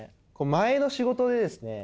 前の仕事でですね